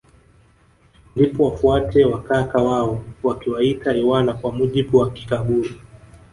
Ndipo wafuate wa kaka wao wakiwaita iwana kwa mujibu wa kikaguru